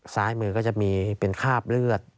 ซ้ายมือก็จะมีเป็นคราบเลือด